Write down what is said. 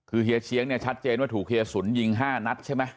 คือเฮียเชียงเนี่ยชัดเจนว่าถูกเฮียสุนยิง๕นัดใช่ไหม